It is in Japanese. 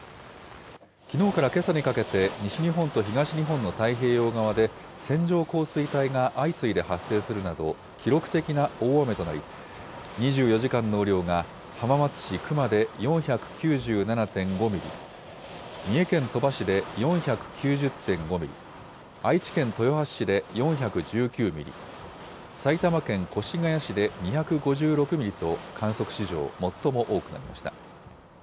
きのうからけさにかけて、西日本の東日本の太平洋側で線状降水帯が相次いで発生するなど、記録的な大雨となり、２４時間の雨量が浜松市熊で４９７．５ミリ、三重県鳥羽市で４９０．５ミリ、愛知県豊橋市で４１９ミリ、埼玉県越谷市で２５６ミリと、観測史上最も多くなりました。